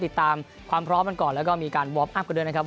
ติดตามความพร้อมกันก่อนแล้วก็มีการวอร์มอัพกันด้วยนะครับ